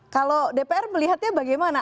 kalau dpr melihatnya bagaimana